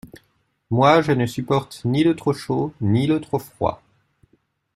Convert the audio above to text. Moi, je ne supporte ni le trop chaud, ni le trop froid.